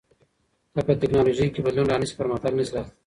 که په تکنالوژۍ کي بدلون رانشي پرمختګ نشي راتلای.